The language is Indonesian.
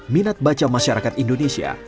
minat baca masyarakat indonesia